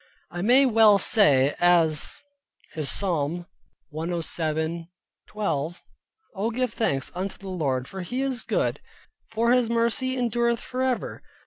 I may well say as his Psalm 107.12 "Oh give thanks unto the Lord for he is good, for his mercy endureth for ever."